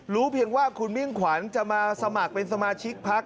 เพียงว่าคุณมิ่งขวัญจะมาสมัครเป็นสมาชิกพัก